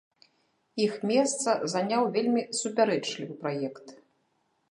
Іх месца заняў вельмі супярэчлівы праект.